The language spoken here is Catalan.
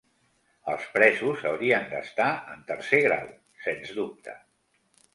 Els presos haurien d’estar en tercer grau, sens dubte.